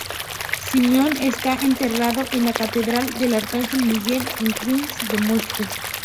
Simeón está enterrado en la Catedral del arcángel Miguel en el Kremlin de Moscú.